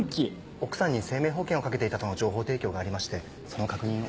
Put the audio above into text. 奥さんに生命保険をかけていたとの情報提供がありましてその確認を。